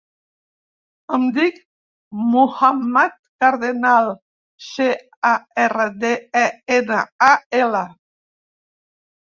Em dic Muhammad Cardenal: ce, a, erra, de, e, ena, a, ela.